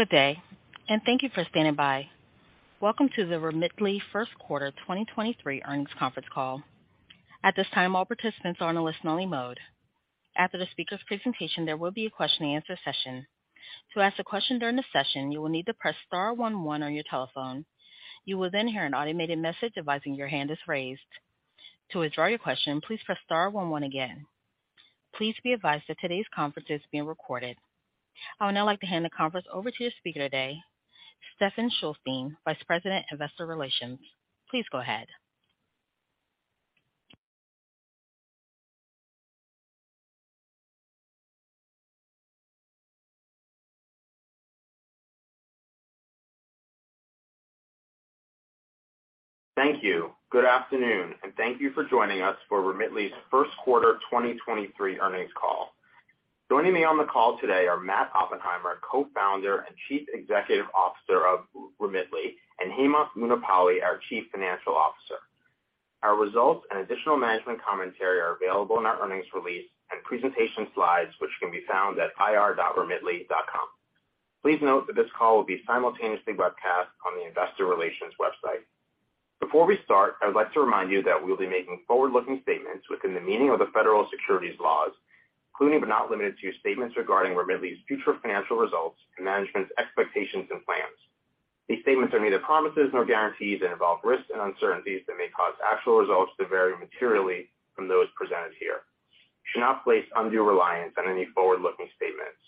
Good day, and thank you for standing by. Welcome to the Remitly first quarter 2023 earnings conference call. At this time, all participants are on a listen-only mode. After the speaker's presentation, there will be a question-and-answer session. To ask a question during the session, you will need to press star one one on your telephone. You will then hear an automated message advising your hand is raised. To withdraw your question, please press star one one again. Please be advised that today's conference is being recorded. I would now like to hand the conference over to the speaker today, Stefan Schülstein, Vice President, Investor Relations. Please go ahead. Thank you. Good afternoon, and thank you for joining us for Remitly's first quarter 2023 earnings call. Joining me on the call today are Matt Oppenheimer, Co-Founder and Chief Executive Officer of Remitly, and Hemanth Munipalli, our Chief Financial Officer. Our results and additional management commentary are available in our earnings release and presentation slides, which can be found at ir.remitly.com. Please note that this call will be simultaneously webcast on the investor relations website. Before we start, I would like to remind you that we'll be making forward-looking statements within the meaning of the Federal Securities Laws, including but not limited to statements regarding Remitly's future financial results and management's expectations and plans. These statements are neither promises nor guarantees and involve risks and uncertainties that may cause actual results to vary materially from those presented here. You should not place undue reliance on any forward-looking statements.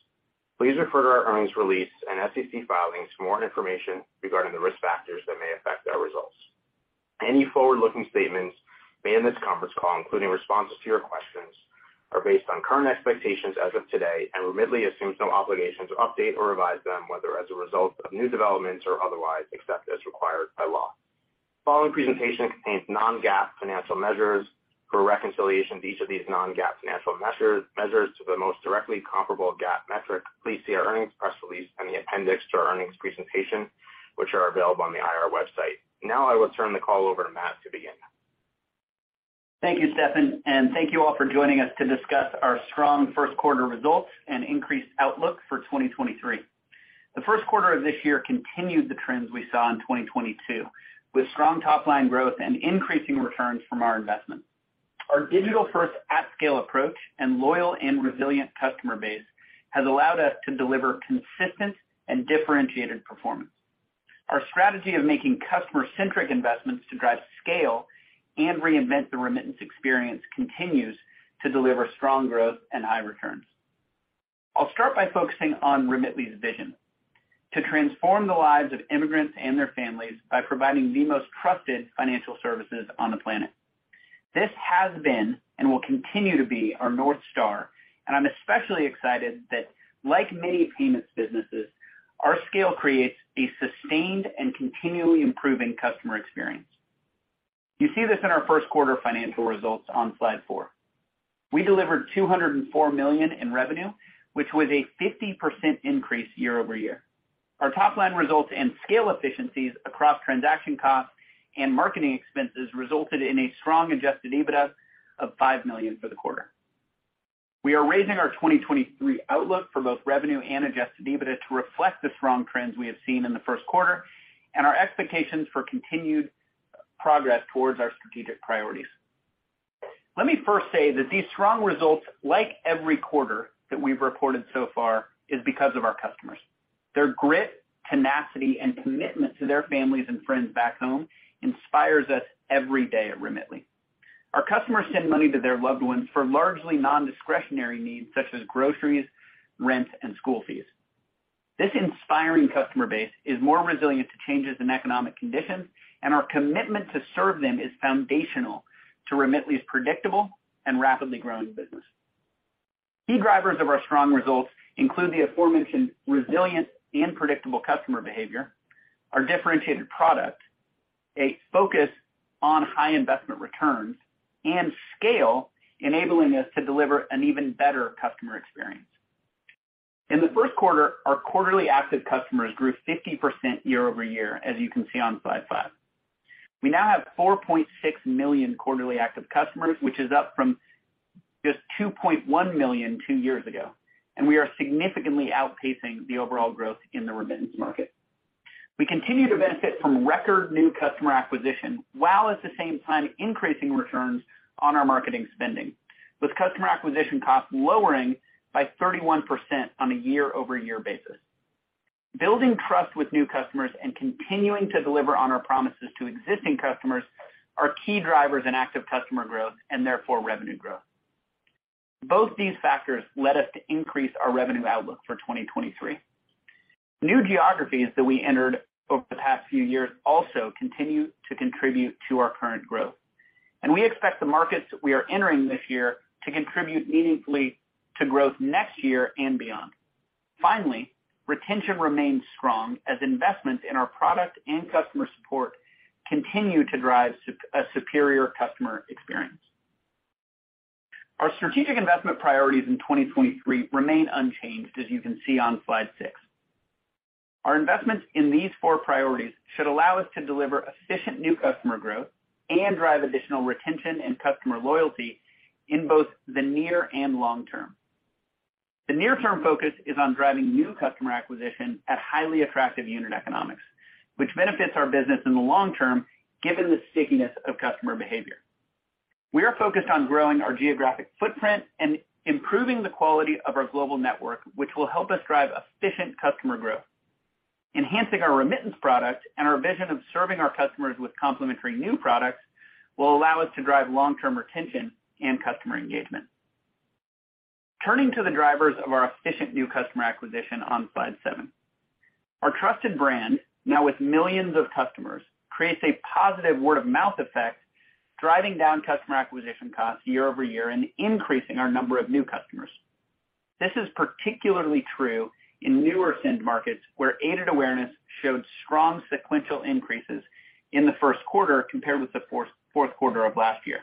Please refer to our earnings release and SEC filings for more information regarding the risk factors that may affect our results. Any forward-looking statements made in this conference call, including responses to your questions, are based on current expectations as of today, and Remitly assumes no obligation to update or revise them, whether as a result of new developments or otherwise, except as required by law. The following presentation contains non-GAAP financial measures. For reconciliations of each of these non-GAAP financial measures to the most directly comparable GAAP metric, please see our earnings press release and the appendix to our earnings presentation, which are available on the I.R. website. Now I will turn the call over to Matt to begin. Thank you, Stefan, and thank you all for joining us to discuss our strong first quarter results and increased outlook for 2023. The first quarter of this year continued the trends we saw in 2022, with strong top-line growth and increasing returns from our investments. Our digital-first at-scale approach and loyal and resilient customer base has allowed us to deliver consistent and differentiated performance. Our strategy of making customer-centric investments to drive scale and reinvent the remittance experience continues to deliver strong growth and high returns. I'll start by focusing on Remitly's vision to transform the lives of immigrants and their families by providing the most trusted financial services on the planet. This has been and will continue to be our North Star, and I'm especially excited that like many payments businesses, our scale creates a sustained and continually improving customer experience. You see this in our first quarter financial results on slide four. We delivered $204 million in revenue, which was a 50% increase year-over-year. Our top-line results and scale efficiencies across transaction costs and marketing expenses resulted in a strong adjusted EBITDA of $5 million for the quarter. We are raising our 2023 outlook for both revenue and adjusted EBITDA to reflect the strong trends we have seen in the first quarter and our expectations for continued progress towards our strategic priorities. Let me first say that these strong results, like every quarter that we've reported so far, is because of our customers. Their grit, tenacity, and commitment to their families and friends back home inspires us every day at Remitly. Our customers send money to their loved ones for largely non-discretionary needs such as groceries, rent, and school fees. This inspiring customer base is more resilient to changes in economic conditions, and our commitment to serve them is foundational to Remitly's predictable and rapidly growing business. Key drivers of our strong results include the aforementioned resilient and predictable customer behavior, our differentiated product, a focus on high investment returns, and scale, enabling us to deliver an even better customer experience. In the first quarter, our quarterly active customers grew 50% year-over-year, as you can see on slide five. We now have 4.6 million quarterly active customers, which is up from just 2.1 million two years ago, and we are significantly outpacing the overall growth in the remittance market. We continue to benefit from record new customer acquisition while at the same time increasing returns on our marketing spending, with customer acquisition costs lowering by 31% on a year-over-year basis. Building trust with new customers and continuing to deliver on our promises to existing customers are key drivers in active customer growth and therefore revenue growth. Both these factors led us to increase our revenue outlook for 2023. New geographies that we entered over the past few years also continue to contribute to our current growth, and we expect the markets we are entering this year to contribute meaningfully to growth next year and beyond. Finally, retention remains strong as investments in our product and customer support continue to drive a superior customer experience. Our strategic investment priorities in 2023 remain unchanged, as you can see on slide six. Our investments in these four priorities should allow us to deliver efficient new customer growth. Drive additional retention and customer loyalty in both the near and long term. The near-term focus is on driving new customer acquisition at highly attractive unit economics, which benefits our business in the long term, given the stickiness of customer behavior. We are focused on growing our geographic footprint and improving the quality of our global network, which will help us drive efficient customer growth. Enhancing our remittance product and our vision of serving our customers with complementary new products will allow us to drive long-term retention and customer engagement. Turning to the drivers of our efficient new customer acquisition on slide seven. Our trusted brand, now with millions of customers, creates a positive word-of-mouth effect, driving down customer acquisition costs year-over-year and increasing our number of new customers. This is particularly true in newer send markets, where aided awareness showed strong sequential increases in the first quarter compared with the fourth quarter of last year.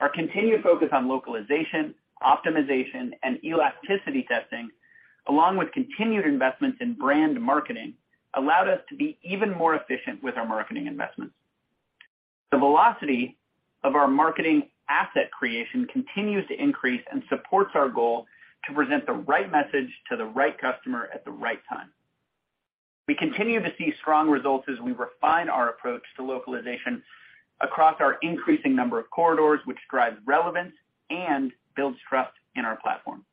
Our continued focus on localization, optimization, and elasticity testing, along with continued investments in brand marketing, allowed us to be even more efficient with our marketing investments. The velocity of our marketing asset creation continues to increase and supports our goal to present the right message to the right customer at the right time. We continue to see strong results as we refine our approach to localization across our increasing number of corridors, which drives relevance and builds trust in our platform.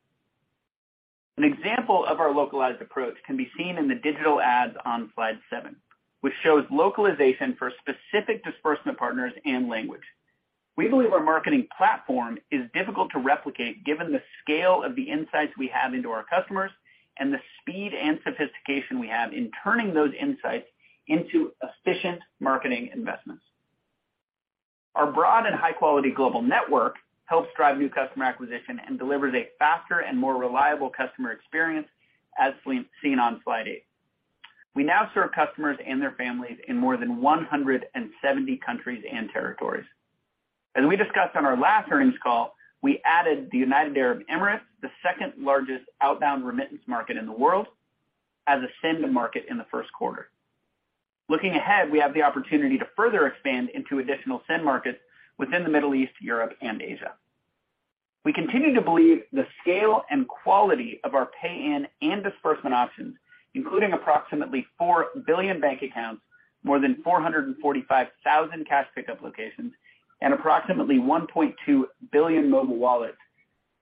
An example of our localized approach can be seen in the digital ads on Slide seven, which shows localization for specific disbursement partners and language. We believe our marketing platform is difficult to replicate given the scale of the insights we have into our customers and the speed and sophistication we have in turning those insights into efficient marketing investments. Our broad and high-quality global network helps drive new customer acquisition and delivers a faster and more reliable customer experience, as seen on slide eight. We now serve customers and their families in more than 170 countries and territories. As we discussed on our last earnings call, we added the United Arab Emirates, the second-largest outbound remittance market in the world, as a send market in the first quarter. Looking ahead, we have the opportunity to further expand into additional send markets within the Middle East, Europe, and Asia. We continue to believe the scale and quality of our pay-in and disbursement options, including approximately 4 billion bank accounts, more than 445,000 cash pickup locations, and approximately 1.2 billion mobile wallets,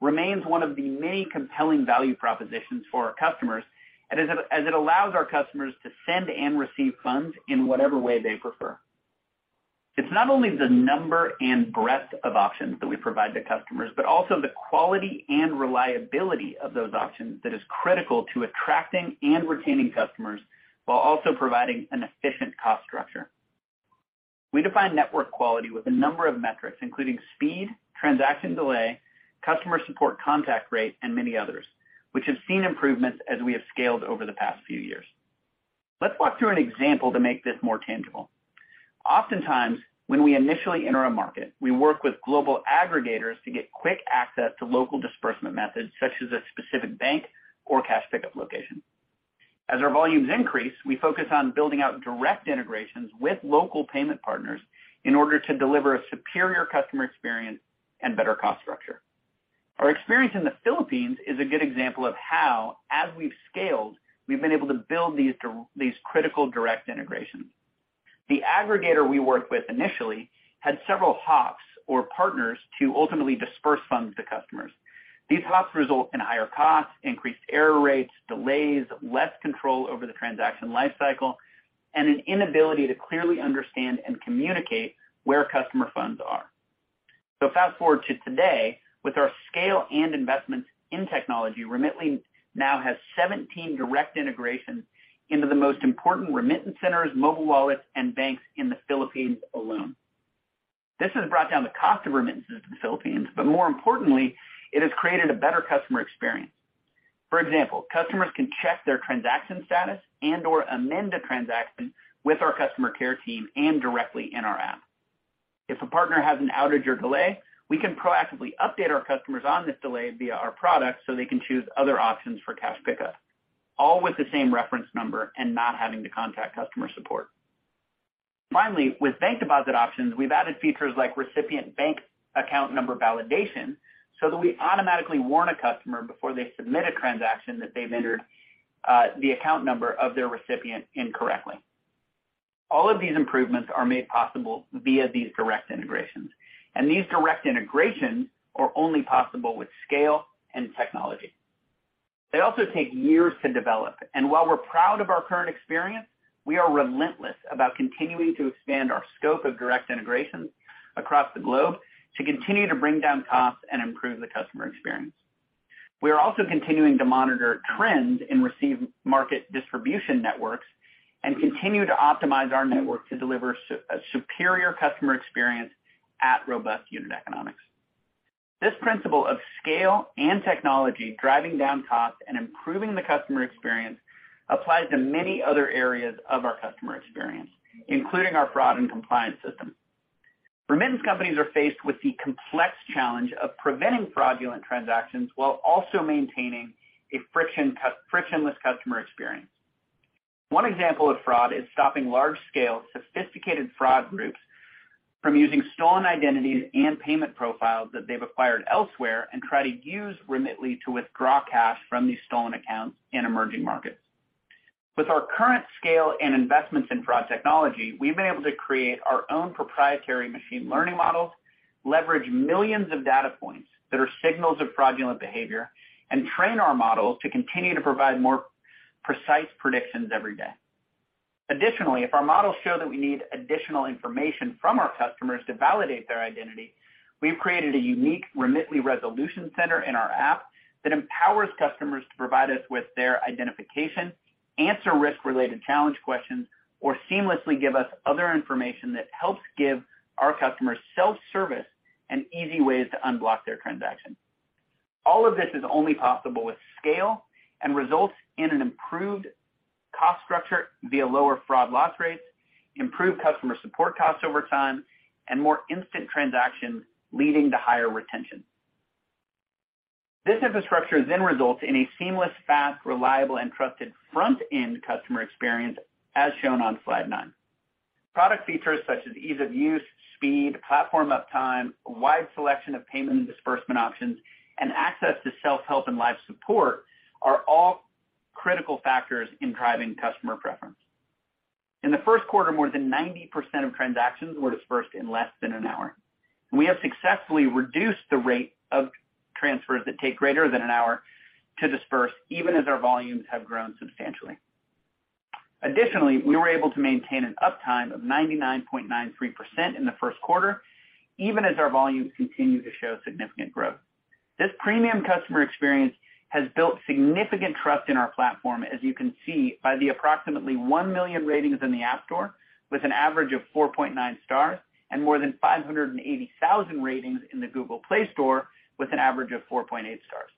remains one of the many compelling value propositions for our customers as it allows our customers to send and receive funds in whatever way they prefer. It's not only the number and breadth of options that we provide to customers, but also the quality and reliability of those options that is critical to attracting and retaining customers while also providing an efficient cost structure. We define network quality with a number of metrics, including speed, transaction delay, customer support contact rate, and many others, which have seen improvements as we have scaled over the past few years. Let's walk through an example to make this more tangible. Oftentimes, when we initially enter a market, we work with global aggregators to get quick access to local disbursement methods, such as a specific bank or cash pickup location. As our volumes increase, we focus on building out direct integrations with local payment partners in order to deliver a superior customer experience and better cost structure. Our experience in the Philippines is a good example of how, as we've scaled, we've been able to build these critical direct integrations. The aggregator we worked with initially had several hops or partners to ultimately disperse funds to customers. These hops result in higher costs, increased error rates, delays, less control over the transaction life cycle, and an inability to clearly understand and communicate where customer funds are. Fast-forward to today, with our scale and investments in technology, Remitly now has 17 direct integrations into the most important remittance centers, mobile wallets, and banks in the Philippines alone. This has brought down the cost of remittances to the Philippines, but more importantly, it has created a better customer experience. For example, customers can check their transaction status and/or amend a transaction with our customer care team and directly in our app. If a partner has an outage or delay, we can proactively update our customers on this delay via our product, so they can choose other options for cash pickup, all with the same reference number and not having to contact customer support. Finally, with bank deposit options, we've added features like recipient bank account number validation, so that we automatically warn a customer before they submit a transaction that they've entered the account number of their recipient incorrectly. All of these improvements are made possible via these direct integrations, and these direct integrations are only possible with scale and technology. They also take years to develop, and while we're proud of our current experience, we are relentless about continuing to expand our scope of direct integrations across the globe to continue to bring down costs and improve the customer experience. We are also continuing to monitor trends in receive market distribution networks and continue to optimize our network to deliver a superior customer experience at robust unit economics. This principle of scale and technology driving down costs and improving the customer experience applies to many other areas of our customer experience, including our fraud and compliance system. Remittance companies are faced with the complex challenge of preventing fraudulent transactions while also maintaining a frictionless customer experience. One example of fraud is stopping large-scale sophisticated fraud groups from using stolen identities and payment profiles that they've acquired elsewhere and try to use Remitly to withdraw cash from these stolen accounts in emerging markets. With our current scale and investments in fraud technology, we've been able to create our own proprietary machine learning models, leverage millions of data points that are signals of fraudulent behavior, and train our models to continue to provide more precise predictions every day. Additionally, if our models show that we need additional information from our customers to validate their identity, we've created a unique Remitly resolution center in our app that empowers customers to provide us with their identification, answer risk-related challenge questions, or seamlessly give us other information that helps give our customers self-service and easy ways to unblock their transaction. All of this is only possible with scale and results in an improved cost structure via lower fraud loss rates, improved customer support costs over time, and more instant transactions leading to higher retention. This infrastructure then results in a seamless, fast, reliable, and trusted front-end customer experience as shown on slide nine. Product features such as ease of use, speed, platform uptime, a wide selection of payment and disbursement options, and access to self-help and live support are all critical factors in driving customer preference. In the first quarter, more than 90% of transactions were disbursed in less than an hour. We have successfully reduced the rate of transfers that take greater than an hour to disburse even as our volumes have grown substantially. Additionally, we were able to maintain an uptime of 99.93% in the first quarter, even as our volumes continued to show significant growth. This premium customer experience has built significant trust in our platform, as you can see by the approximately 1 million ratings in the App Store, with an average of 4.9 stars, and more than 580,000 ratings in the Google Play Store with an average of 4.8 stars.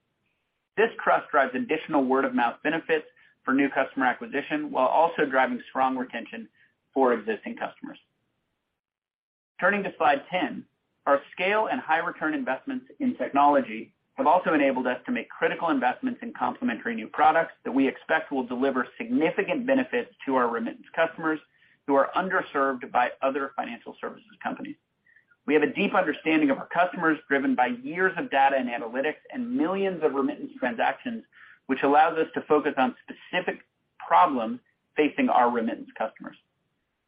This trust drives additional word-of-mouth benefits for new customer acquisition while also driving strong retention for existing customers. Turning to slide 10. Our scale and high return investments in technology have also enabled us to make critical investments in complementary new products that we expect will deliver significant benefits to our remittance customers who are underserved by other financial services companies. We have a deep understanding of our customers driven by years of data and analytics and millions of remittance transactions, which allows us to focus on specific problems facing our remittance customers.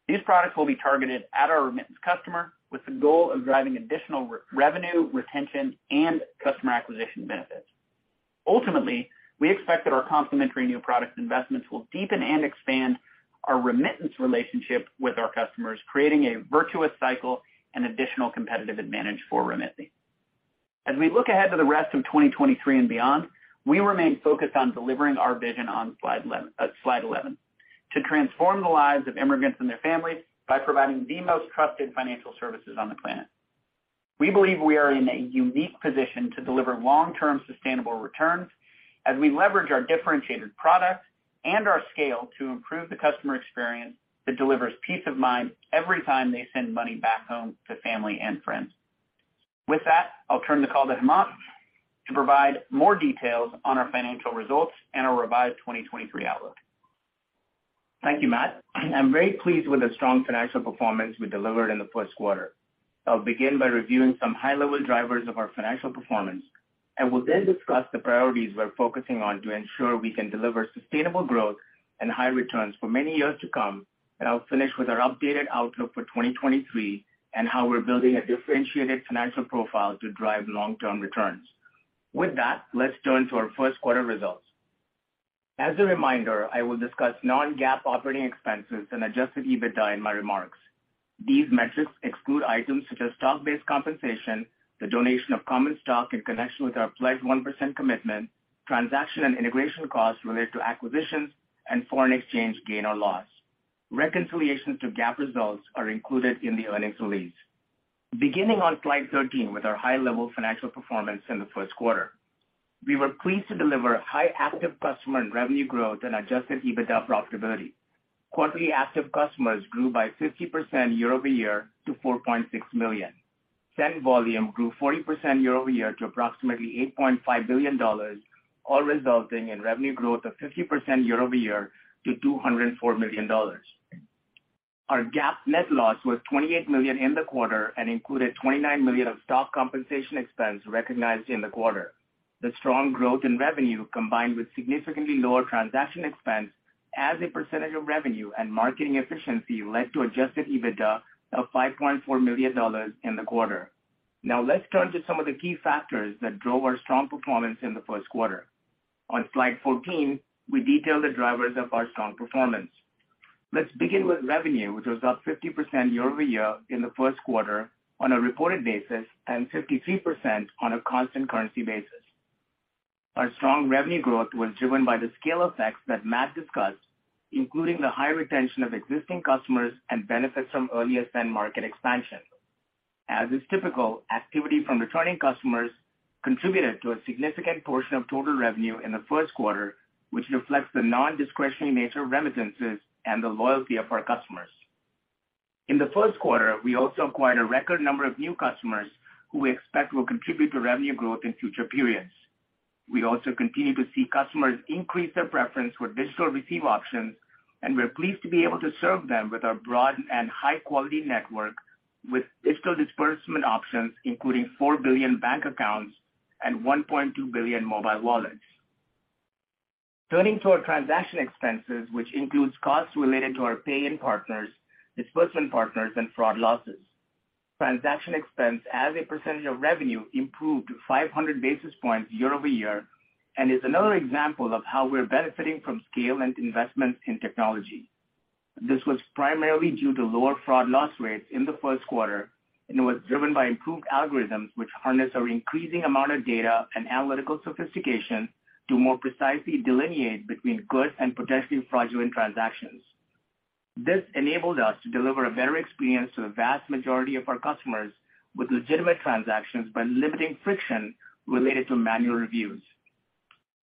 These products will be targeted at our remittance customer with the goal of driving additional re-revenue, retention, and customer acquisition benefits. Ultimately, we expect that our complementary new product investments will deepen and expand our remittance relationship with our customers, creating a virtuous cycle and additional competitive advantage for Remitly. As we look ahead to the rest of 2023 and beyond, we remain focused on delivering our vision on slide 11, to transform the lives of immigrants and their families by providing the most trusted financial services on the planet. We believe we are in a unique position to deliver long-term sustainable returns as we leverage our differentiated products and our scale to improve the customer experience that delivers peace of mind every time they send money back home to family and friends. With that, I'll turn the call to Hemanth to provide more details on our financial results and our revised 2023 outlook. Thank you, Matt. I'm very pleased with the strong financial performance we delivered in the first quarter. I'll begin by reviewing some high-level drivers of our financial performance, will then discuss the priorities we're focusing on to ensure we can deliver sustainable growth and high returns for many years to come. I'll finish with our updated outlook for 2023 and how we're building a differentiated financial profile to drive long-term returns. With that, let's turn to our first quarter results. As a reminder, I will discuss non-GAAP operating expenses and adjusted EBITDA in my remarks. These metrics exclude items such as stock-based compensation, the donation of common stock in connection with our Pledge 1% commitment, transaction and integration costs related to acquisitions, and foreign exchange gain or loss. Reconciliations to GAAP results are included in the earnings release. Beginning on slide 13 with our high-level financial performance in the first quarter. We were pleased to deliver high active customer and revenue growth and adjusted EBITDA profitability. Quarterly active customers grew by 50% year-over-year to 4.6 million. Send volume grew 40% year-over-year to approximately $8.5 billion, all resulting in revenue growth of 50% year-over-year to $204 million. Our GAAP net loss was $28 million in the quarter and included $29 million of stock compensation expense recognized in the quarter. The strong growth in revenue, combined with significantly lower transaction expense as a percentage of revenue and marketing efficiency, led to adjusted EBITDA of $5.4 million in the quarter. Let's turn to some of the key factors that drove our strong performance in the first quarter. On slide 14, we detail the drivers of our strong performance. Let's begin with revenue, which was up 50% year-over-year in the first quarter on a reported basis, and 53% on a constant currency basis. Our strong revenue growth was driven by the scale effects that Matt discussed, including the high retention of existing customers and benefits from earlier send market expansion. As is typical, activity from returning customers contributed to a significant portion of total revenue in the first quarter, which reflects the nondiscretionary nature of remittances and the loyalty of our customers. In the first quarter, we also acquired a record number of new customers who we expect will contribute to revenue growth in future periods. We also continue to see customers increase their preference for digital receive options. We're pleased to be able to serve them with our broad and high-quality network with digital disbursement options, including 4 billion bank accounts and 1.2 billion mobile wallets. Turning to our transaction expenses, which includes costs related to our pay-in partners, disbursement partners, and fraud losses. Transaction expense as a percentage of revenue improved 500 basis points year-over-year and is another example of how we're benefiting from scale and investments in technology. This was primarily due to lower fraud loss rates in the first quarter. It was driven by improved algorithms which harness our increasing amount of data and analytical sophistication to more precisely delineate between good and potentially fraudulent transactions. This enabled us to deliver a better experience to the vast majority of our customers with legitimate transactions by limiting friction related to manual reviews.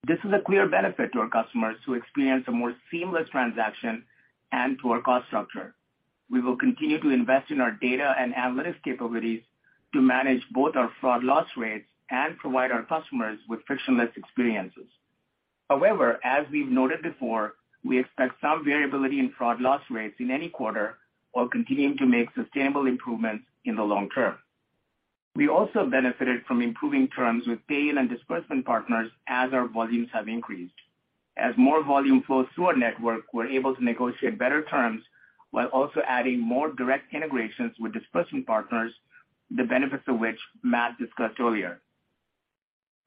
This is a clear benefit to our customers who experience a more seamless transaction and to our cost structure. We will continue to invest in our data and analytics capabilities to manage both our fraud loss rates and provide our customers with frictionless experiences. However, as we've noted before, we expect some variability in fraud loss rates in any quarter while continuing to make sustainable improvements in the long term. We also benefited from improving terms with pay in and disbursement partners as our volumes have increased. As more volume flows through our network, we're able to negotiate better terms while also adding more direct integrations with disbursement partners, the benefits of which Matt discussed earlier.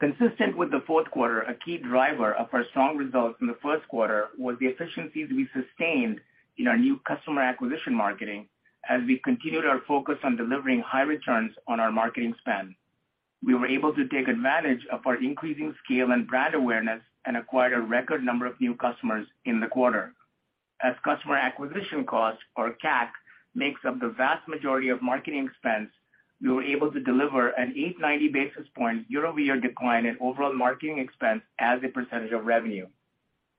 Consistent with the fourth quarter, a key driver of our strong results in the first quarter was the efficiencies we sustained in our new customer acquisition marketing as we continued our focus on delivering high returns on our marketing spend. We were able to take advantage of our increasing scale and brand awareness and acquired a record number of new customers in the quarter. As customer acquisition costs, or CAC, makes up the vast majority of marketing expense, we were able to deliver an 890 basis point year-over-year decline in overall marketing expense as a percentage of revenue.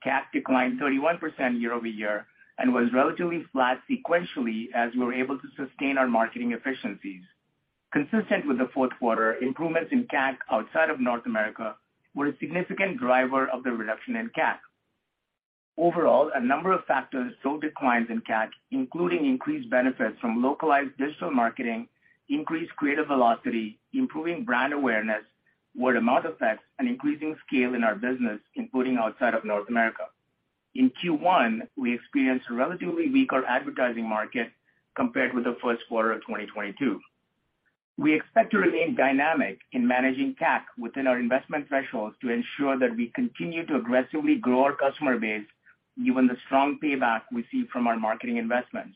CAC declined 31% year-over-year and was relatively flat sequentially as we were able to sustain our marketing efficiencies. Consistent with the fourth quarter, improvements in CAC outside of North America were a significant driver of the reduction in CAC. Overall, a number of factors show declines in CAC, including increased benefits from localized digital marketing, increased creative velocity, improving brand awareness, word-of-mouth effects, and increasing scale in our business, including outside of North America. In Q1, we experienced a relatively weaker advertising market compared with the first quarter of 2022. We expect to remain dynamic in managing CAC within our investment thresholds to ensure that we continue to aggressively grow our customer base given the strong payback we see from our marketing investments.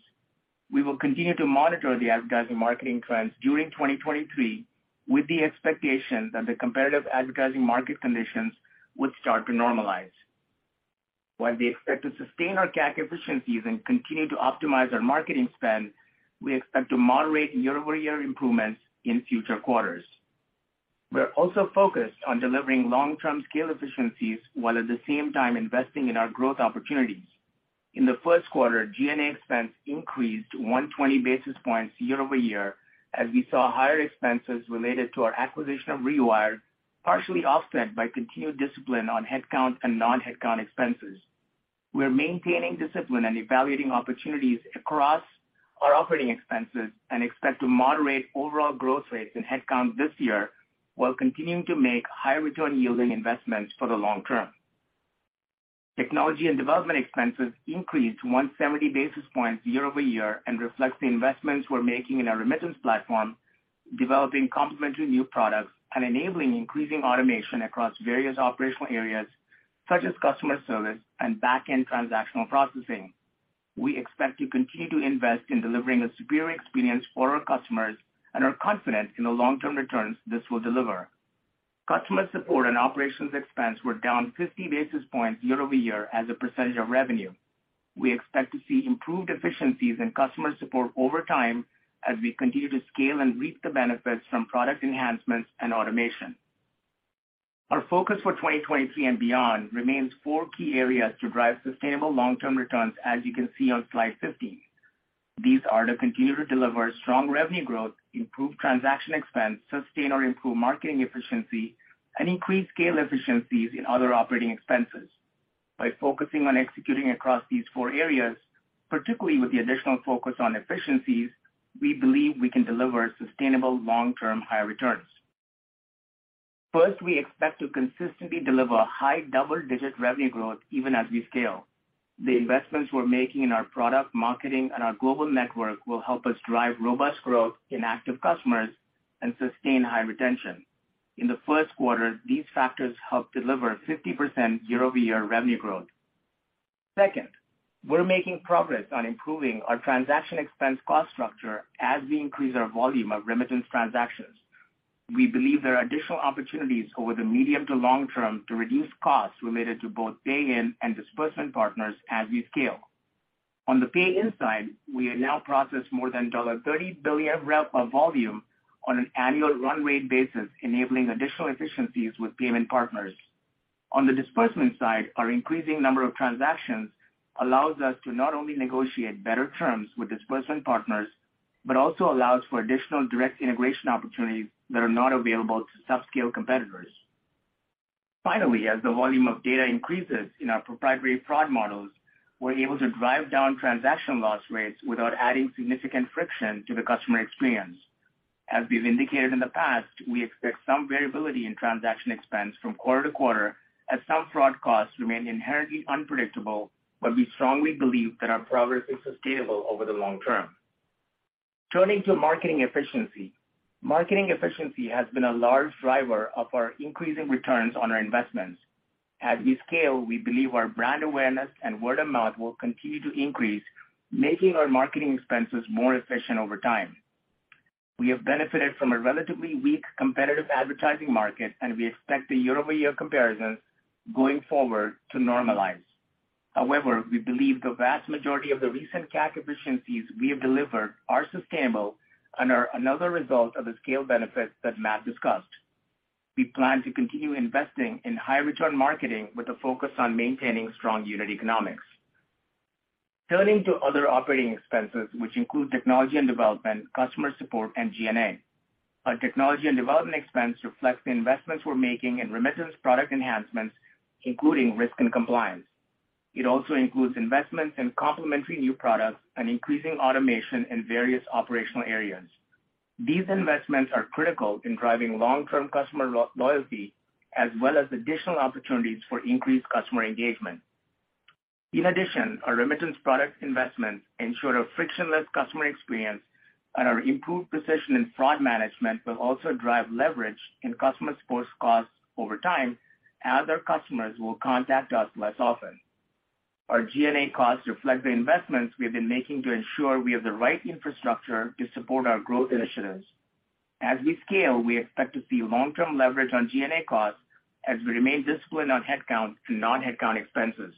We will continue to monitor the advertising marketing trends during 2023 with the expectation that the competitive advertising market conditions would start to normalize. While we expect to sustain our CAC efficiencies and continue to optimize our marketing spend, we expect to moderate year-over-year improvements in future quarters. We're also focused on delivering long-term scale efficiencies while at the same time investing in our growth opportunities. In the first quarter, G&A expense increased 120 basis points year-over-year as we saw higher expenses related to our acquisition of Rewire, partially offset by continued discipline on headcount and non-headcount expenses. We're maintaining discipline and evaluating opportunities across our operating expenses and expect to moderate overall growth rates in headcount this year while continuing to make high return yielding investments for the long term. Technology and development expenses increased 170 basis points year-over-year and reflects the investments we're making in our remittance platform, developing complementary new products, and enabling increasing automation across various operational areas such as customer service and back-end transactional processing. We expect to continue to invest in delivering a superior experience for our customers and are confident in the long-term returns this will deliver. Customer support and operations expense were down 50 basis points year-over-year as a percentage of revenue. We expect to see improved efficiencies in customer support over time as we continue to scale and reap the benefits from product enhancements and automation. Our focus for 2023 and beyond remains four key areas to drive sustainable long-term returns, as you can see on slide 15. These are to continue to deliver strong revenue growth, improve transaction expense, sustain or improve marketing efficiency, and increase scale efficiencies in other operating expenses. By focusing on executing across these four areas, particularly with the additional focus on efficiencies, we believe we can deliver sustainable long-term high returns. First, we expect to consistently deliver high double-digit revenue growth even as we scale. The investments we're making in our product marketing and our global network will help us drive robust growth in active customers and sustain high retention. In the first quarter, these factors helped deliver 50% year-over-year revenue growth. Second, we're making progress on improving our transaction expense cost structure as we increase our volume of remittance transactions. We believe there are additional opportunities over the medium to long term to reduce costs related to both pay-in and disbursement partners as we scale. On the pay-in side, we have now processed more than $30 billion of volume on an annual run rate basis, enabling additional efficiencies with payment partners. On the disbursement side, our increasing number of transactions allows us to not only negotiate better terms with disbursement partners, but also allows for additional direct integration opportunities that are not available to subscale competitors. Finally, as the volume of data increases in our proprietary fraud models, we're able to drive down transaction loss rates without adding significant friction to the customer experience. As we've indicated in the past, we expect some variability in transaction expense from quarter to quarter, as some fraud costs remain inherently unpredictable, but we strongly believe that our progress is sustainable over the long term. Turning to marketing efficiency. Marketing efficiency has been a large driver of our increasing returns on our investments. As we scale, we believe our brand awareness and word-of-mouth will continue to increase, making our marketing expenses more efficient over time. We have benefited from a relatively weak competitive advertising market, and we expect the year-over-year comparisons going forward to normalize. However, we believe the vast majority of the recent CAC efficiencies we have delivered are sustainable and are another result of the scale benefits that Matt discussed. We plan to continue investing in high return marketing with a focus on maintaining strong unit economics. Turning to other operating expenses, which include technology and development, customer support, and G&A. Our technology and development expense reflects the investments we're making in remittance product enhancements, including risk and compliance. It also includes investments in complementary new products and increasing automation in various operational areas. These investments are critical in driving long-term customer loyalty as well as additional opportunities for increased customer engagement. In addition, our remittance product investments ensure a frictionless customer experience, and our improved precision in fraud management will also drive leverage in customer support costs over time as our customers will contact us less often. Our G&A costs reflect the investments we have been making to ensure we have the right infrastructure to support our growth initiatives. As we scale, we expect to see long-term leverage on G&A costs as we remain disciplined on headcount to non-headcount expenses.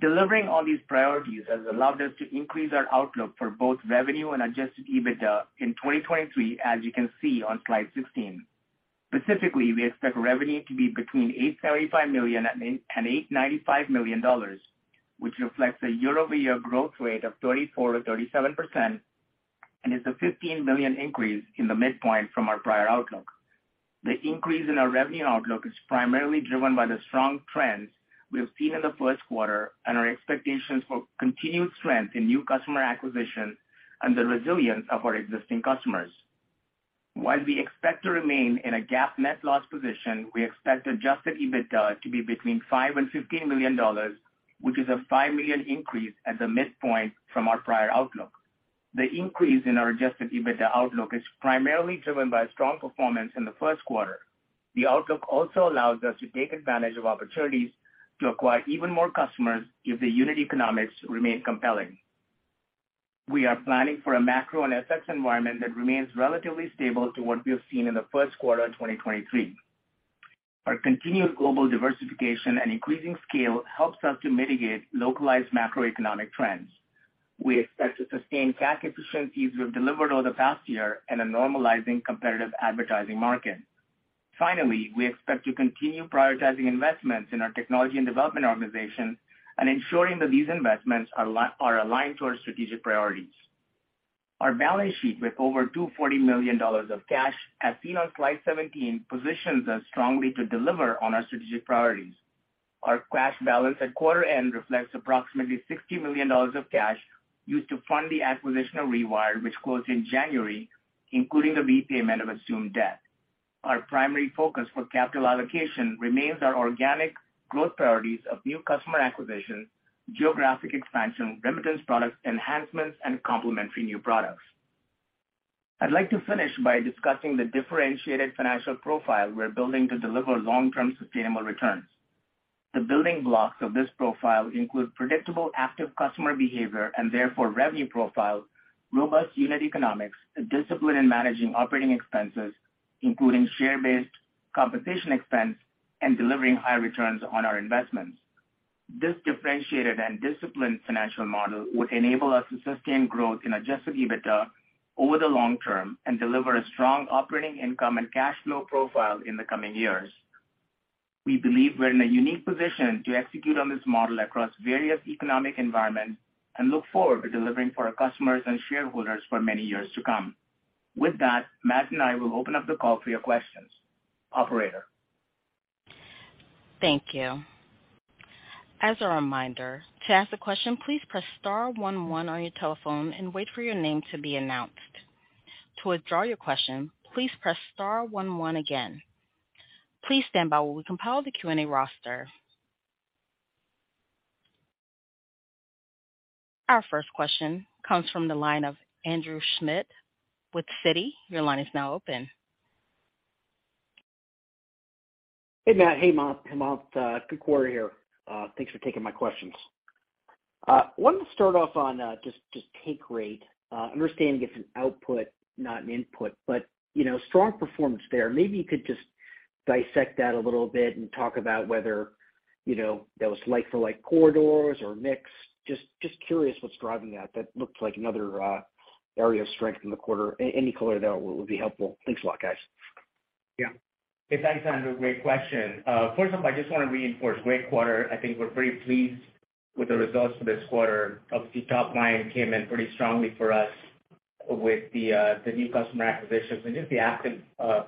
Delivering all these priorities has allowed us to increase our outlook for both revenue and adjusted EBITDA in 2023, as you can see on slide 16. Specifically, we expect revenue to be between $835 million and $895 million, which reflects a year-over-year growth rate of 34%-37% and is a $15 million increase in the midpoint from our prior outlook. The increase in our revenue outlook is primarily driven by the strong trends we have seen in the first quarter and our expectations for continued strength in new customer acquisition and the resilience of our existing customers. While we expect to remain in a GAAP net loss position, we expect adjusted EBITDA to be between $5 million-$15 million, which is a $5 million increase at the midpoint from our prior outlook. The increase in our adjusted EBITDA outlook is primarily driven by strong performance in the first quarter. The outlook also allows us to take advantage of opportunities to acquire even more customers if the unit economics remain compelling. We are planning for a macro and FX environment that remains relatively stable to what we have seen in the first quarter of 2023. Our continued global diversification and increasing scale helps us to mitigate localized macroeconomic trends. We expect to sustain CAC efficiencies we've delivered over the past year in a normalizing competitive advertising market. Finally, we expect to continue prioritizing investments in our technology and development organization and ensuring that these investments are aligned to our strategic priorities. Our balance sheet with over $240 million of cash, as seen on slide 17, positions us strongly to deliver on our strategic priorities. Our cash balance at quarter end reflects approximately $60 million of cash used to fund the acquisition of Rewire, which closed in January, including the repayment of assumed debt. Our primary focus for capital allocation remains our organic growth priorities of new customer acquisition, geographic expansion, remittance products enhancements, and complementary new products. I'd like to finish by discussing the differentiated financial profile we're building to deliver long-term sustainable returns. The building blocks of this profile include predictable active customer behavior and therefore revenue profile, robust unit economics, a discipline in managing operating expenses, including share-based compensation expense, and delivering high returns on our investments. This differentiated and disciplined financial model would enable us to sustain growth in adjusted EBITDA over the long term and deliver a strong operating income and cash flow profile in the coming years. We believe we're in a unique position to execute on this model across various economic environments and look forward to delivering for our customers and shareholders for many years to come. With that, Matt and I will open up the call for your questions. Operator? Thank you. As a reminder, to ask a question, please press star one one on your telephone and wait for your name to be announced. To withdraw your question, please press star one one again. Please stand by while we compile the Q&A roster. Our first question comes from the line of Andrew Schmidt with Citi. Your line is now open. Hey, Matt. Good quarter here. Thanks for taking my questions. Wanted to start off on just take rate. Understanding it's an output, not an input. You know, strong performance there. Maybe you could just dissect that a little bit and talk about whether, you know, that was like for like corridors or mix. Just curious what's driving that. That looked like another. Area of strength in the quarter. Any color there will be helpful. Thanks a lot, guys. Yeah. Hey, thanks, Andrew. Great question. First off, I just wanna reinforce great quarter. I think we're pretty pleased with the results for this quarter. Obviously, top line came in pretty strongly for us with the new customer acquisitions, and just the active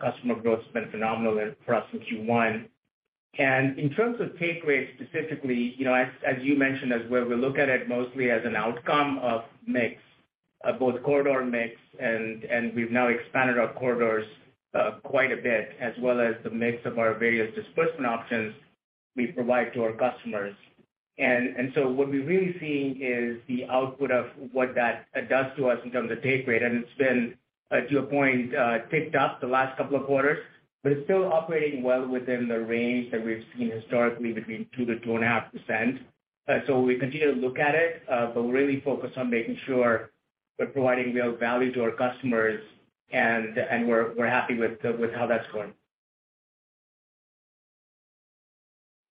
customer growth has been phenomenal for us in Q1. In terms of take rates specifically, you know, as you mentioned, as where we look at it mostly as an outcome of mix, of both corridor mix and we've now expanded our corridors quite a bit, as well as the mix of our various disbursement options we provide to our customers. What we're really seeing is the output of what that does to us in terms of take rate, and it's been to a point ticked up the last couple of quarters, but it's still operating well within the range that we've seen historically between 2%-2.5%. We continue to look at it, but we're really focused on making sure we're providing real value to our customers and we're happy with how that's going.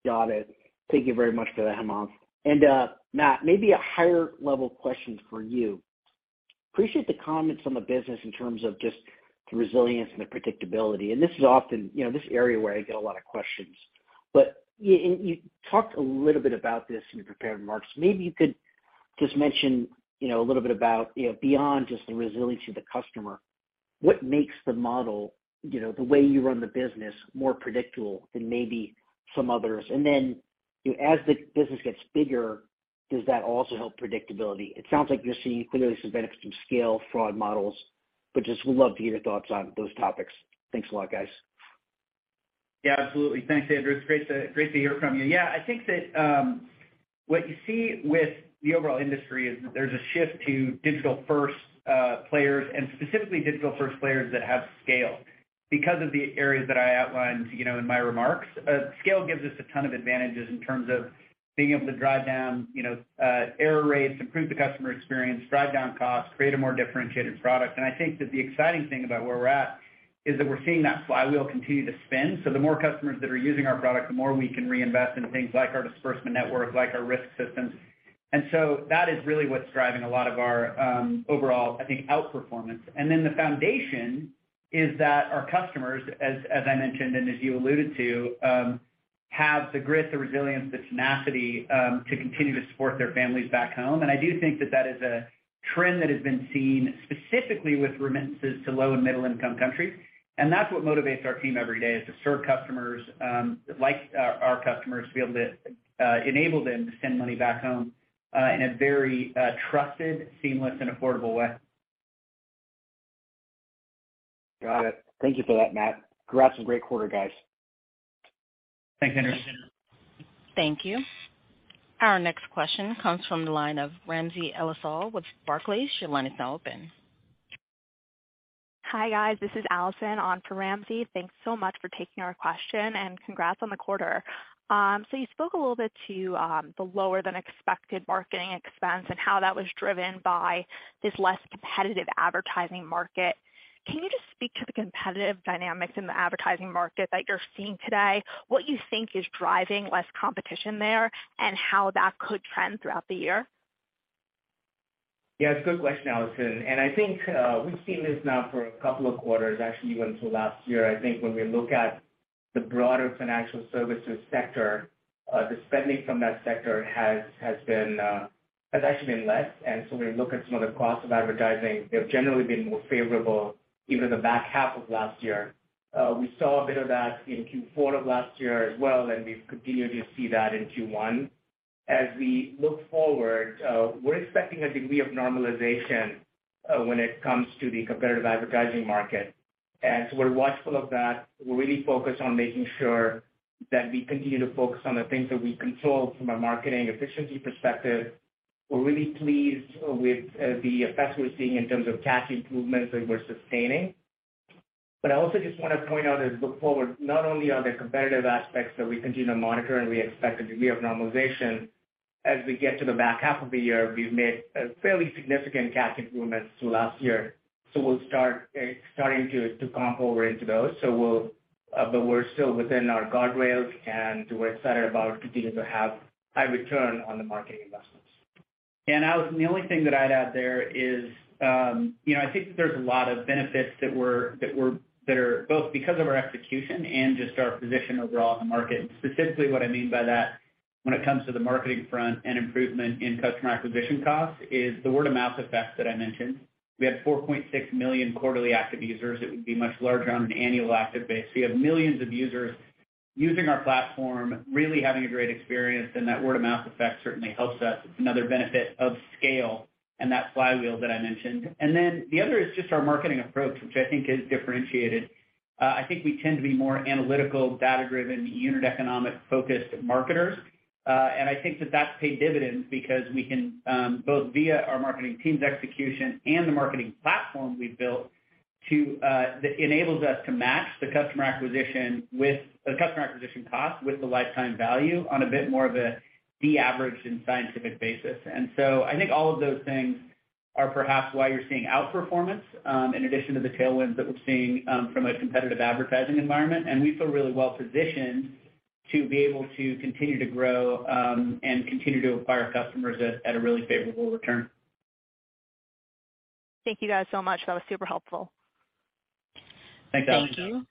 Got it. Thank you very much for that, Hemanth. Matt, maybe a higher level question for you. Appreciate the comments on the business in terms of just the resilience and the predictability. This is often, you know, this area where I get a lot of questions. You talked a little bit about this in your prepared remarks. Maybe you could just mention, you know, a little bit about, you know, beyond just the resiliency of the customer, what makes the model, you know, the way you run the business more predictable than maybe some others? As the business gets bigger, does that also help predictability? It sounds like you're seeing clearly some benefits from scale fraud models, but just would love to hear your thoughts on those topics. Thanks a lot, guys. Yeah, absolutely. Thanks, Andrew. It's great to hear from you. I think that what you see with the overall industry is there's a shift to digital first players and specifically digital first players that have scale because of the areas that I outlined, you know, in my remarks. Scale gives us a ton of advantages in terms of being able to drive down, you know, error rates, improve the customer experience, drive down costs, create a more differentiated product. I think that the exciting thing about where we're at is that we're seeing that flywheel continue to spin. The more customers that are using our product, the more we can reinvest in things like our disbursement network, like our risk systems. That is really what's driving a lot of our overall, I think, outperformance. The foundation is that our customers, as I mentioned and as you alluded to, have the grit, the resilience, the tenacity, to continue to support their families back home. I do think that that is a trend that has been seen specifically with remittances to low and middle income countries. That's what motivates our team every day, is to serve customers, like our customers, to be able to enable them to send money back home, in a very, trusted, seamless and affordable way. Got it. Thank you for that, Matt. Congrats on great quarter, guys. Thanks, Andrew. Thank you. Our next question comes from the line of Ramsey El-Assal with Barclays. Your line is now open. Hi, guys. This is Allison on for Ramsey. Thanks so much for taking our question, congrats on the quarter. You spoke a little bit to the lower than expected marketing expense and how that was driven by this less competitive advertising market. Can you just speak to the competitive dynamics in the advertising market that you're seeing today, what you think is driving less competition there, and how that could trend throughout the year? Yeah, it's a good question, Allison. I think, we've seen this now for a couple of quarters, actually even till last year. I think when we look at the broader financial services sector, the spending from that sector has been, has actually been less. When you look at some of the costs of advertising, they've generally been more favorable even in the back half of last year. We saw a bit of that in Q4 of last year as well, we've continued to see that in Q1. As we look forward, we're expecting a degree of normalization, when it comes to the competitive advertising market. We're watchful of that. We're really focused on making sure that we continue to focus on the things that we control from a marketing efficiency perspective. We're really pleased with the effects we're seeing in terms of cash improvements that we're sustaining. I also just want to point out as we look forward, not only are there competitive aspects that we continue to monitor and we expect a degree of normalization as we get to the back half of the year. We've made a fairly significant cash improvements to last year, so we'll start starting to comp over into those. We're still within our guardrails, and we're excited about continuing to have high return on the marketing investments. Allison, the only thing that I'd add there is, you know, I think that there's a lot of benefits that are both because of our execution and just our position overall in the market. Specifically what I mean by that when it comes to the marketing front and improvement in customer acquisition costs is the word-of-mouth effect that I mentioned. We have 4.6 million quarterly active users. It would be much larger on an annual active base. We have millions of users using our platform, really having a great experience, and that word-of-mouth effect certainly helps us. It's another benefit of scale and that flywheel that I mentioned. Then the other is just our marketing approach, which I think is differentiated. I think we tend to be more analytical, data-driven, unit economic focused marketers. I think that that's paid dividends because we can, both via our marketing teams execution and the marketing platform we've built to, that enables us to match the customer acquisition cost with the lifetime value on a bit more of a de-averaged and scientific basis. I think all of those things are perhaps why you're seeing outperformance, in addition to the tailwinds that we're seeing, from a competitive advertising environment. We feel really well positioned to be able to continue to grow, and continue to acquire customers at a really favorable return. Thank you guys so much. That was super helpful. Thanks, Allison. Thank you.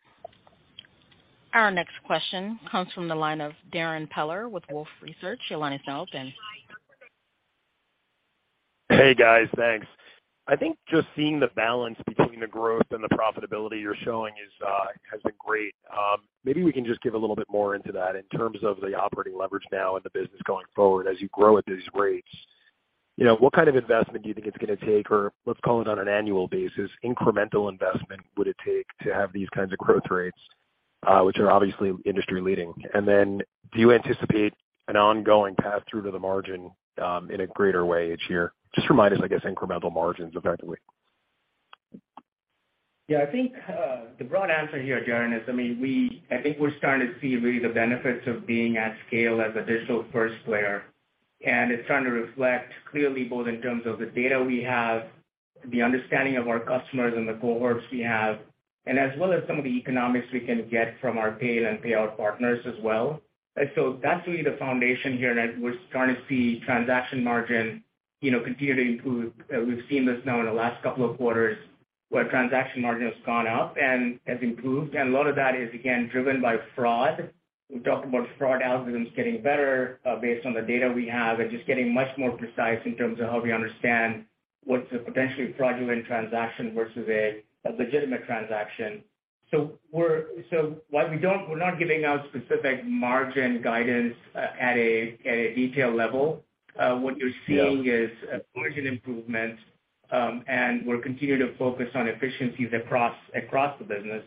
Our next question comes from the line of Darrin Peller with Wolfe Research. Your line is now open. Hey, guys. Thanks. I think just seeing the balance between the growth and the profitability you're showing is has been great. Maybe we can just give a little bit more into that in terms of the operating leverage now in the business going forward as you grow at these rates. You know, what kind of investment do you think it's gonna take or let's call it on an annual basis, incremental investment would it take to have these kinds of growth rates, which are obviously industry-leading. Do you anticipate an ongoing path through to the margin, in a greater way each year? Just remind us, I guess, incremental margins effectively. Yeah. I think, the broad answer here, Darren, is, I mean, I think we're starting to see really the benefits of being at scale as a digital first player, and it's starting to reflect clearly both in terms of the data we have, the understanding of our customers and the cohorts we have, and as well as some of the economics we can get from our pay and payout partners as well. That's really the foundation here, and we're starting to see transaction margin, you know, continue to improve. We've seen this now in the last couple of quarters where transaction margin has gone up and has improved. A lot of that is again driven by fraud. We've talked about fraud algorithms getting better, based on the data we have and just getting much more precise in terms of how we understand what's a potentially fraudulent transaction versus a legitimate transaction. While we're not giving out specific margin guidance, at a, at a detail level, what you're seeing is a margin improvement, and we're continuing to focus on efficiencies across the business,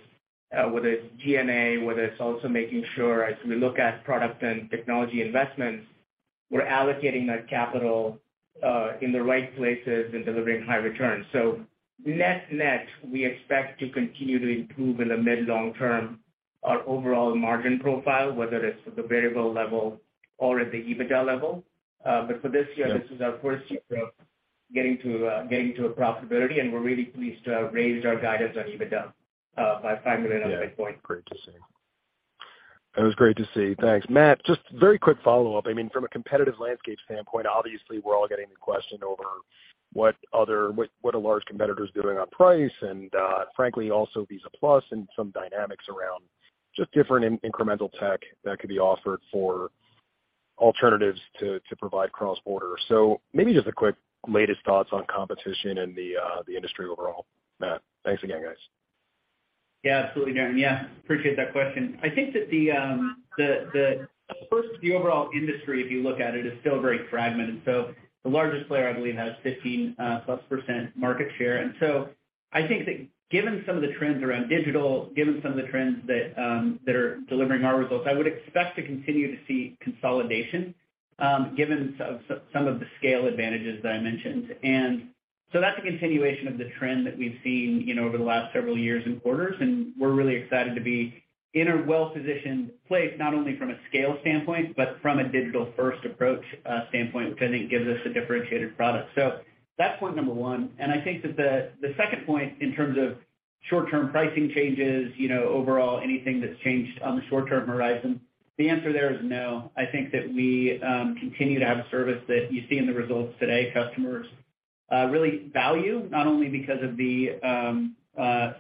whether it's G&A, whether it's also making sure as we look at product and technology investments, we're allocating that capital in the right places and delivering high returns. Net-net, we expect to continue to improve in the mid-long term our overall margin profile, whether it's at the variable level or at the EBITDA level. For this year, this is our first year of getting to a profitability and we're really pleased to have raised our guidance on EBITDA by 5 million other points. Yeah. Great to see. It was great to see. Thanks. Matt, just very quick follow-up. I mean, from a competitive landscape standpoint, obviously we're all getting the question over what a large competitor is doing on price and, frankly also Visa+ and some dynamics around just different in-incremental tech that could be offered for alternatives to provide cross-border. Maybe just a quick latest thoughts on competition and the industry overall, Matt? Thanks again, guys. Yeah, absolutely, Darren. Yeah, appreciate that question. I think that the first, the overall industry if you look at it is still very fragmented. The largest player I believe has 15%+ market share. I think that given some of the trends around digital, given some of the trends that are delivering our results, I would expect to continue to see consolidation, given some of the scale advantages that I mentioned. That's a continuation of the trend that we've seen, you know, over the last several years and quarters and we're really excited to be in a well-positioned place, not only from a scale standpoint, but from a digital first approach standpoint which I think gives us a differentiated product. That's point number one. I think that the second point in terms of short-term pricing changes, you know, overall anything that's changed on the short-term horizon, the answer there is no. I think that we continue to have a service that you see in the results today customers really value not only because of the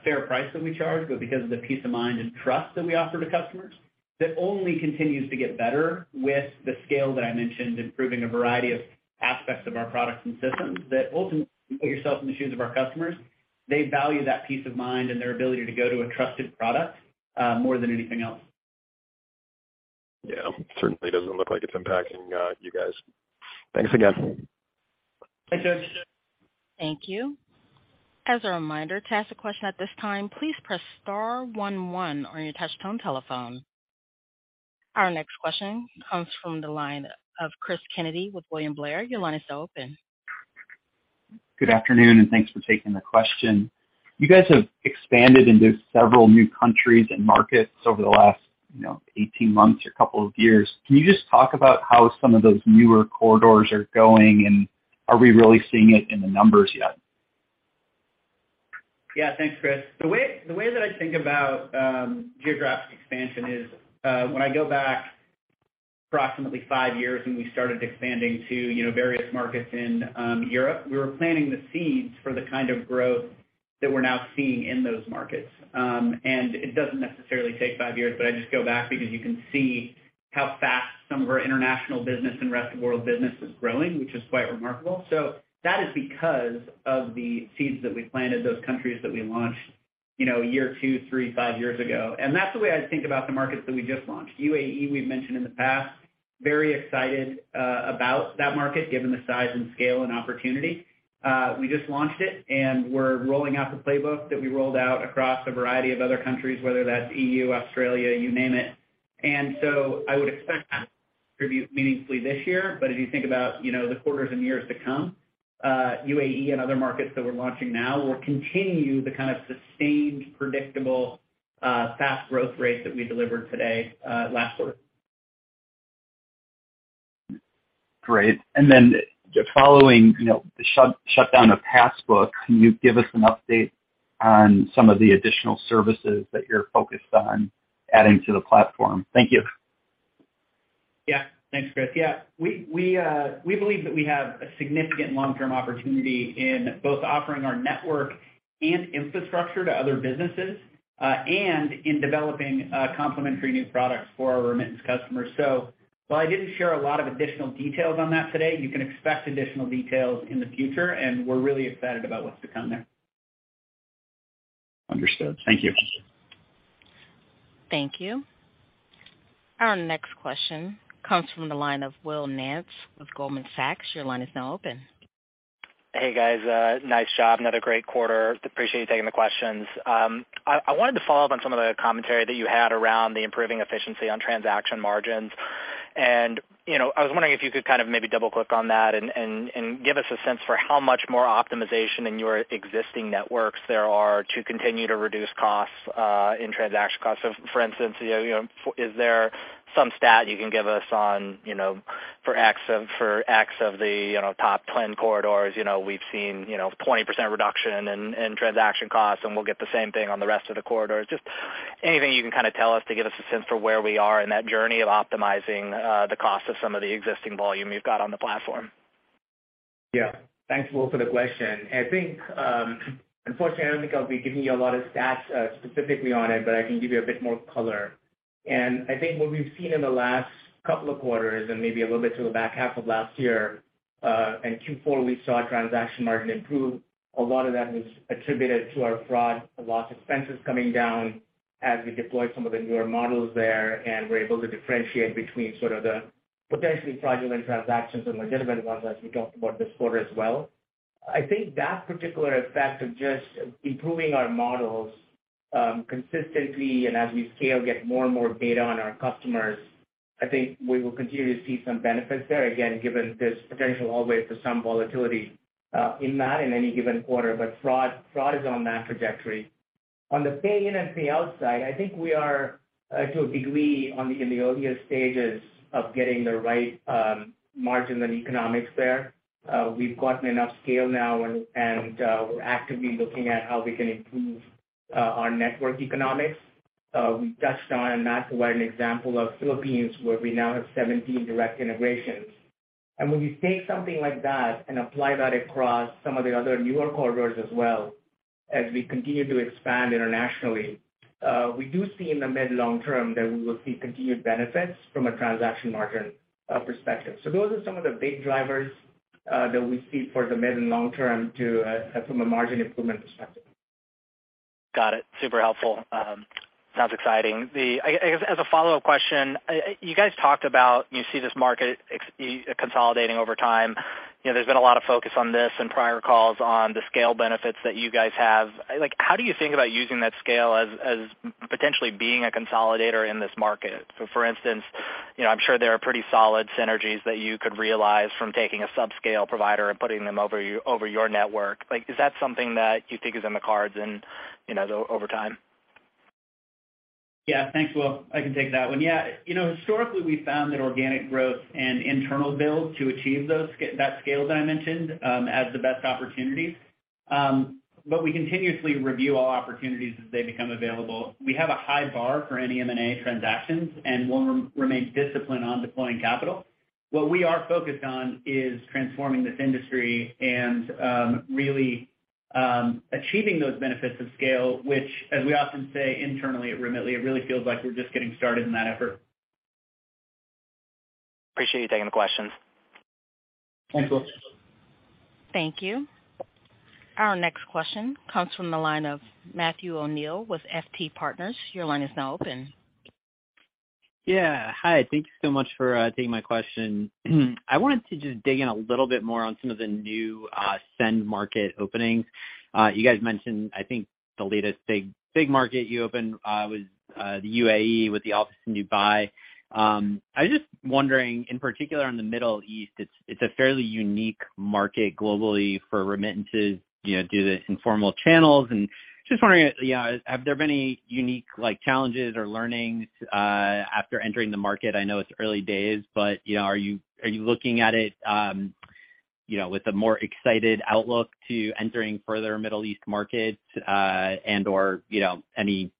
fair price that we charge but because of the peace of mind and trust that we offer to customers that only continues to get better with the scale that I mentioned, improving a variety of aspects of our products and systems that ultimately put yourself in the shoes of our customers. They value that peace of mind and their ability to go to a trusted product more than anything else. Yeah. Certainly doesn't look like it's impacting, you guys. Thanks again. Thanks, guys. Thank you. As a reminder, to ask a question at this time, please press star one one on your touchtone telephone. Our next question comes from the line of Cristopher Kennedy with William Blair. Your line is now open. Good afternoon. Thanks for taking the question. You guys have expanded into several new countries and markets over the last, you know, 18 months or couple of years. Can you just talk about how some of those newer corridors are going and are we really seeing it in the numbers yet? Yeah. Thanks, Chris. The way that I think about geographic expansion is when I go back approximately five years when we started expanding to, you know, various markets in Europe, we were planting the seeds for the kind of growth that we're now seeing in those markets. It doesn't necessarily take five years, but I just go back because you can see how fast some of our international business and rest of world business is growing, which is quite remarkable. That is because of the seeds that we planted, those countries that we launched, you know, one or two, three, five years ago. That's the way I think about the markets that we just launched. UAE we've mentioned in the past. Very excited about that market given the size and scale and opportunity. We just launched it. We're rolling out the playbook that we rolled out across a variety of other countries, whether that's EU, Australia, you name it. I would expect to contribute meaningfully this year. As you think about, you know, the quarters and years to come, UAE and other markets that we're launching now will continue the kind of sustained, predictable, fast growth rates that we delivered today, last quarter. Great. Following, you know, the shutdown of Passbook, can you give us an update on some of the additional services that you're focused on adding to the platform? Thank you. Yeah. Thanks, Chris. Yeah. We believe that we have a significant long-term opportunity in both offering our network and infrastructure to other businesses, and in developing complementary new products for our remittance customers. While I didn't share a lot of additional details on that today, you can expect additional details in the future, and we're really excited about what's to come there. Understood. Thank you. Thank you. Our next question comes from the line of Will Nance with Goldman Sachs. Your line is now open. Hey, guys. nice job. Another great quarter. Appreciate you taking the questions. I wanted to follow up on some of the commentary that you had around the improving efficiency on transaction margins. You know, I was wondering if you could kind of maybe double-click on that and give us a sense for how much more optimization in your existing networks there are to continue to reduce costs in transaction costs. For instance, you know, is there some stat you can give us on, you know, for X of the, you know, top 10 corridors, you know, we've seen, you know, 20% reduction in transaction costs, and we'll get the same thing on the rest of the corridors? Just anything you can kind of tell us to give us a sense for where we are in that journey of optimizing the cost of some of the existing volume you've got on the platform. Yeah. Thanks, Will, for the question. I think, unfortunately, I don't think I'll be giving you a lot of stats specifically on it, but I can give you a bit more color. I think what we've seen in the last couple of quarters and maybe a little bit to the back half of last year, in Q4 we saw transaction margin improve. A lot of that was attributed to our fraud loss expenses coming down as we deployed some of the newer models there and were able to differentiate between sort of the potentially fraudulent transactions and legitimate ones as we talked about this quarter as well. I think that particular effect of just improving our models, consistently and as we scale, get more and more data on our customers, I think we will continue to see some benefits there again, given there's potential always for some volatility in that in any given quarter. Fraud is on that trajectory. On the pay in and pay out side, I think we are to a degree on the in the earlier stages of getting the right margin and economics there. We've gotten enough scale now and we're actively looking at how we can improve our network economics. We touched on that with an example of Philippines, where we now have 17 direct integrations. When you take something like that and apply that across some of the other newer corridors as well, as we continue to expand internationally, we do see in the mid long term that we will see continued benefits from a transaction margin perspective. Those are some of the big drivers that we see for the mid and long term to from a margin improvement perspective. Got it. Super helpful. Sounds exciting. I guess as a follow-up question, you guys talked about you see this market consolidating over time. You know, there's been a lot of focus on this in prior calls on the scale benefits that you guys have. Like, how do you think about using that scale as potentially being a consolidator in this market? For instance, you know, I'm sure there are pretty solid synergies that you could realize from taking a subscale provider and putting them over your network. Like, is that something that you think is in the cards in, you know, over time? Yeah. Thanks, Will. I can take that one. Yeah. You know, historically, we found that organic growth and internal build to achieve that scale dimension as the best opportunities. We continuously review all opportunities as they become available. We have a high bar for any M&A transactions, and we'll remain disciplined on deploying capital. What we are focused on is transforming this industry and, really, achieving those benefits of scale, which as we often say internally at Remitly, it really feels like we're just getting started in that effort. Appreciate you taking the questions. Thanks, Will. Thank you. Our next question comes from the line of Matthew O'Neill with FT Partners. Your line is now open. Yeah. Hi. Thank you so much for taking my question. I wanted to just dig in a little bit more on some of the new send market openings. You guys mentioned I think the latest big, big market you opened was the UAE with the office in Dubai. I was just wondering in particular in the Middle East, it's a fairly unique market globally for remittances, you know, due to informal channels, just wondering, you know, have there been any unique, like, challenges or learnings after entering the market? I know it's early days, but, you know, are you looking at it, you know, with a more excited outlook to entering further Middle East markets, and/or, you know, any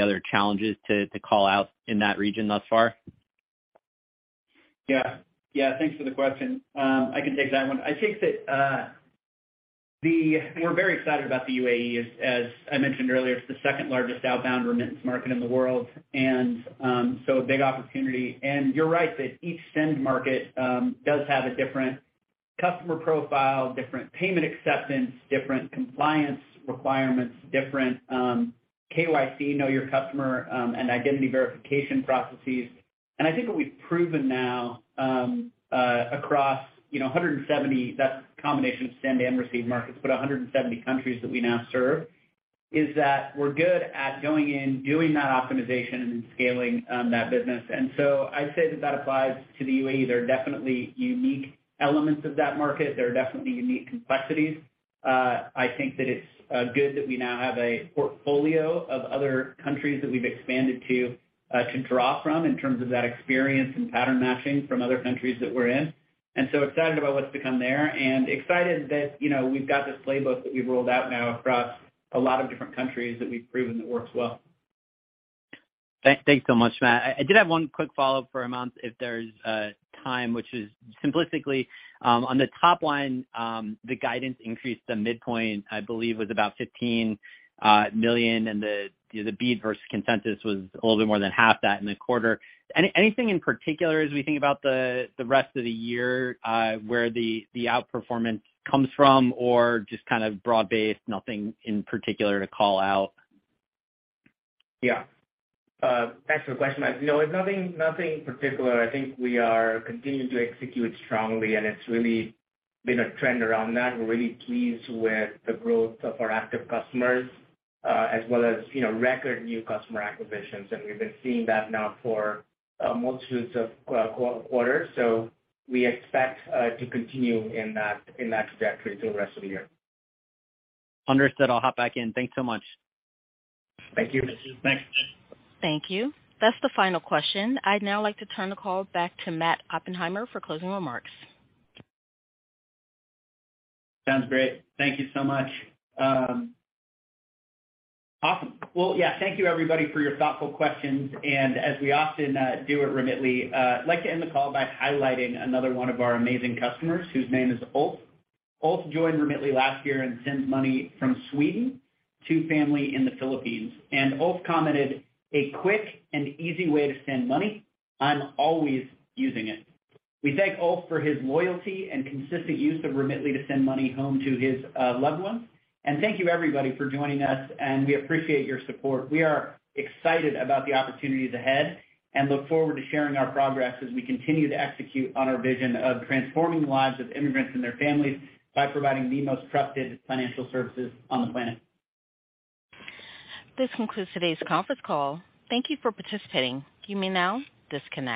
other challenges to call out in that region thus far? Yeah. Yeah. Thanks for the question. I can take that one. I think that we're very excited about the UAE. As I mentioned earlier, it's the second largest outbound remittance market in the world, so a big opportunity. You're right that each send market does have a different customer profile, different payment acceptance, different compliance requirements, different KYC, know your customer, and identity verification processes. I think what we've proven now, across, you know, 170, that's a combination of send and receive markets, but 170 countries that we now serve, is that we're good at going in, doing that optimization and scaling that business. I'd say that that applies to the UAE. There are definitely unique elements of that market. There are definitely unique complexities. I think that it's good that we now have a portfolio of other countries that we've expanded to to draw from in terms of that experience and pattern matching from other countries that we're in. Excited about what's to come there, and excited that, you know, we've got this playbook that we've rolled out now across a lot of different countries that we've proven that works well. Thanks so much, Matt. I did have one quick follow-up for Hemanth if there's time, which is simplistically, on the top line, the guidance increased the midpoint, I believe was about $15 million, and the beat versus consensus was a little bit more than half that in the quarter. Anything in particular as we think about the rest of the year, where the outperformance comes from or just kind of broad-based, nothing in particular to call out? Yeah. Thanks for the question. No, it's nothing in particular. I think we are continuing to execute strongly, it's really been a trend around that. We're really pleased with the growth of our active customers, as well as, you know, record new customer acquisitions. We've been seeing that now for a multitude of quarters. We expect to continue in that, in that trajectory through the rest of the year. Understood. I'll hop back in. Thanks so much. Thank you. Thanks. Thank you. That's the final question. I'd now like to turn the call back to Matt Oppenheimer for closing remarks. Sounds great. Thank you so much. Awesome. Well, yeah, thank you everybody for your thoughtful questions. As we often do at Remitly, I'd like to end the call by highlighting another one of our amazing customers, whose name is Ulf. Ulf joined Remitly last year and sends money from Sweden to family in the Philippines. Ulf commented, "A quick and easy way to send money. I'm always using it." We thank Ulf for his loyalty and consistent use of Remitly to send money home to his loved ones. Thank you everybody for joining us, and we appreciate your support. We are excited about the opportunities ahead and look forward to sharing our progress as we continue to execute on our vision of transforming the lives of immigrants and their families by providing the most trusted financial services on the planet. This concludes today's conference call. Thank you for participating. You may now disconnect.